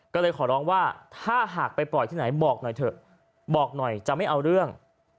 ก็เลยขอร้องว่าถ้าหากไปปล่อยที่ไหนบอกหน่อยเถอะบอกหน่อยจะไม่เอาเรื่อง